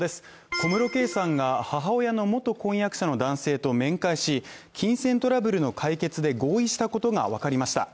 小室圭さんが母親の元婚約者の男性と面会し、金銭トラブルの解決で合意したことがわかりました。